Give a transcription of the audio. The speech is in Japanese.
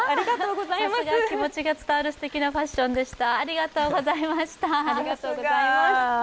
さすが、気持ちが伝わるすてきなファッションでした。